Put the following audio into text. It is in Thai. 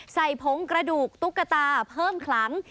ใส่พงกระดูกตุ๊กตาเพิ่มครั้ง